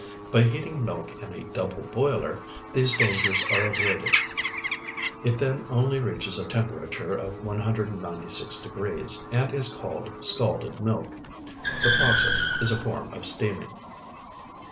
By heating milk in a double boiler, these dangers are avoided. It then only reaches a temperature of 196 degrees, and is called scalded milk. The process is a form of steaming.